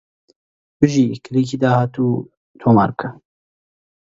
مەسیحێکی دیش پەیدا دەبێ!